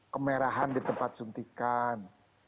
kemerahan di tempat suntikan